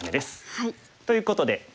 ということで。